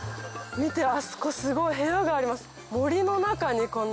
見てあそこすごい部屋があります。